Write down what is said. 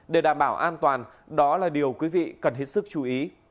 để đảm bảo an toàn đó là điều quý vị cần hết sức chú ý